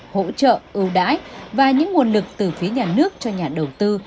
hỗ trợ ưu đãi và những nguồn lực từ phía nhà nước cho nhà đầu tư